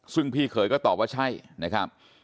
ซึ่งพี่เขยก็ตอบว่าใช่นะครับ